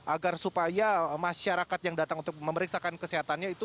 agar supaya masyarakat yang datang untuk memeriksakan kesehatannya itu